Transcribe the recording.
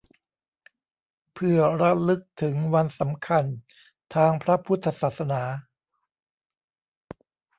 เพื่อระลึกถึงวันสำคัญทางพระพุทธศาสนา